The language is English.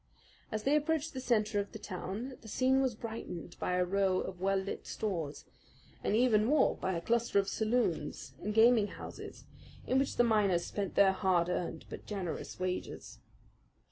As they approached the centre of the town the scene was brightened by a row of well lit stores, and even more by a cluster of saloons and gaming houses, in which the miners spent their hard earned but generous wages.